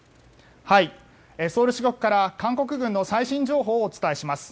ソウル支局から韓国軍の最新情報をお伝えします。